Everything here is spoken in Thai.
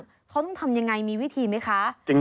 เขาต้องทำยังไงมีวิธีไหมคะ